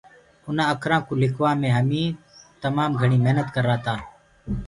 اُنآ اکرآنٚ ڪوُ لِکوآ مي همي تمآ گهڻي محنت ڪرآ تآ۔